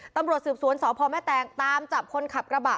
ตำรวจสืบสวนสพแม่แตงตามจับคนขับกระบะ